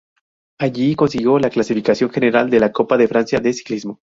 Allí consiguió la clasificación general de la Copa de Francia de Ciclismo.